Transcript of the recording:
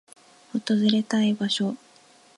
訪れたい場所